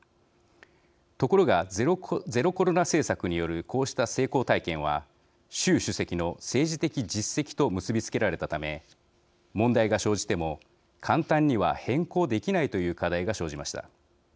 ところが、ゼロコロナ政策によるこうした成功体験は習主席の政治的実績と結び付けられたため問題が生じても簡単には変更できないという課題が生じました。